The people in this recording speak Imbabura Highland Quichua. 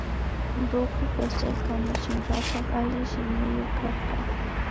Ruku Jose kamachinkapak alli shimiyuk karka